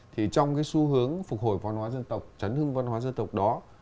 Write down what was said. thì trong cái xu hướng phục hồi văn hóa dân tộc chấn hương văn hóa dân tộc đó